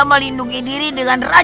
dia memang yang palingapa menyenangkan